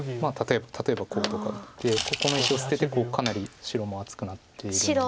例えばこうとか打ってここの石を捨ててかなり白も厚くなっているので。